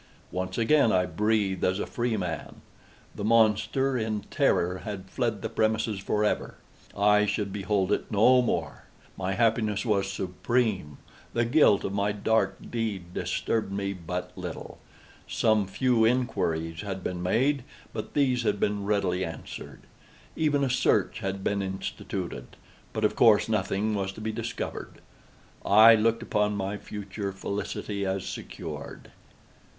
Once again I breathed as a freeman. The monster, in terror, had fled the premises forever! I should behold it no more! My happiness was supreme! The guilt of my dark deed disturbed me but little. Some few inquiries had been made, but these had been readily answered. Even a search had been instituted—but of course nothing was to be discovered. I looked upon my future felicity as secured.